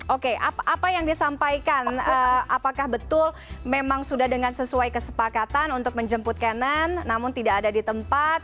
oke apa yang disampaikan apakah betul memang sudah dengan sesuai kesepakatan untuk menjemput kanan namun tidak ada di tempat